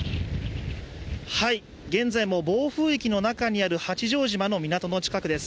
現在も暴風域の中にある八丈島の港の近くです。